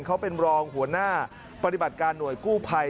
เขาเป็นรองหัวหน้าปฏิบัติการหน่วยกู้ภัย